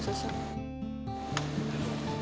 gak ada yang mau nanya